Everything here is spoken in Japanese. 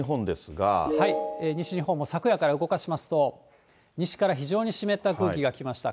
西日本も昨夜から動かしますと、西から非常に湿った空気が来ました。